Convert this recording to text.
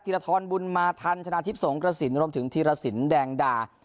ธีรธรมบุณมาธัณฑ์ธนาทิพย์สงฆ์กระสินรวมถึงธีรศิลป์แดงดา